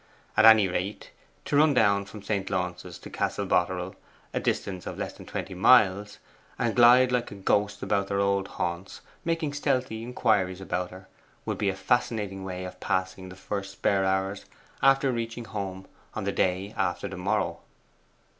At any rate, to run down from St. Launce's to Castle Poterel, a distance of less than twenty miles, and glide like a ghost about their old haunts, making stealthy inquiries about her, would be a fascinating way of passing the first spare hours after reaching home on the day after the morrow.